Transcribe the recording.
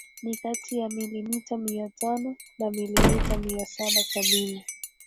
ni kati ya milimita mia tano na milimeta mia saba sabini